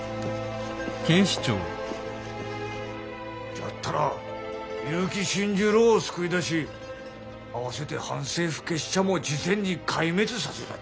じゃったら結城新十郎を救い出しあわせて反政府結社も事前に壊滅させたっちゅうとか。